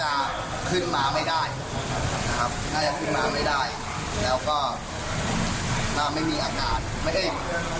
น่าจะขึ้นมาไม่ได้น่าจะขึ้นมาไม่ได้แล้วก็น่าไม่มีอากาศ